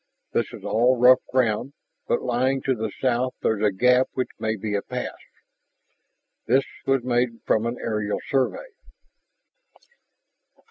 This is all rough ground. But lying to the south there's a gap which may be a pass. This was made from an aerial survey."